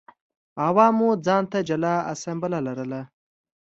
عوامو ځان ته جلا اسامبله لرله.